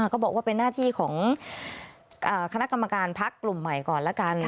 ก็บอกว่าเป็นหน้าที่ของคณะกรรมการพักกลุ่มใหม่ก่อนละกัน